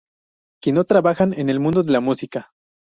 que no trabajan en el mundo de la música